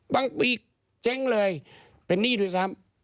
บางปีเจ๊งเลยเป็นหนี้ด้วยซ้ำ